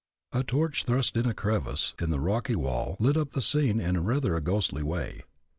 A torch thrust in a crevice in the rocky wall, lit up the scene in rather a ghostly way.